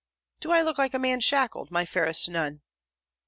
'Do I look like a man shackled, my fairest Nun?'